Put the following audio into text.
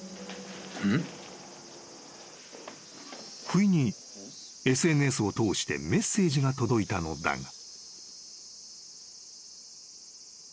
［不意にＳＮＳを通してメッセージが届いたのだが］